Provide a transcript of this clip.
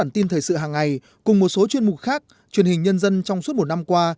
bản tin thời sự hàng ngày cùng một số chuyên mục khác truyền hình nhân dân trong suốt một năm qua